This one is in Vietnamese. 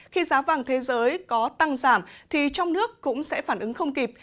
khi giá vàng thế giới có tăng giảm thì trong nước cũng sẽ phản ứng không kịp